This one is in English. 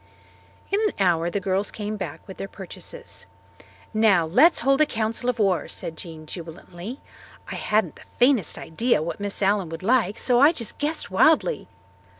In an hour the girls came back with their purchases. "Now, let's hold a council of war," said Jean jubilantly. "I hadn't the faintest idea what Miss Allen would like so I just guessed wildly.